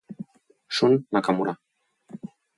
Shun Nakamura